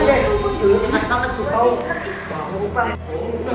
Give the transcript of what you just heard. saya harus mengungkap si rumah ini